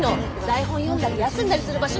台本読んだり休んだりする場所なの！